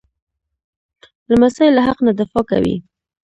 لمسی له حق نه دفاع کوي.